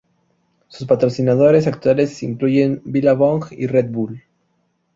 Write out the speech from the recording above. Sus patrocinadores actuales incluyen Billabong y Red Bull.